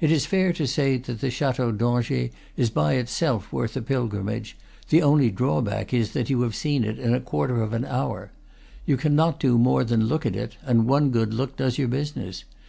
It is fair to say that the Chateau d'Angers is by itself worth a pilgrimage; the only drawback is that you have seen it in a quarter of an hour. You cannot do more than look at it, and one good look does your business.